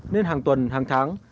nên hàng tuần hàng tháng